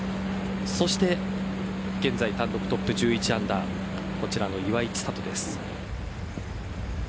そして現在単独トップ、１１アンダー岩井千怜です。